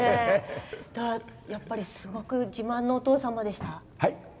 やっぱりすごく自慢のお父様でした？